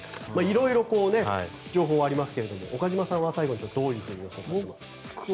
色々、情報はありますが岡島さんは、最後にどう予想されますか？